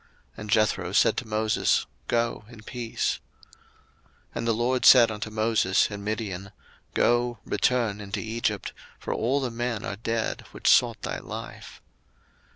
And Jethro said to Moses, Go in peace. 02:004:019 And the LORD said unto Moses in Midian, Go, return into Egypt: for all the men are dead which sought thy life.